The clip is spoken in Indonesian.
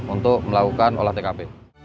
untuk melakukan olah tkp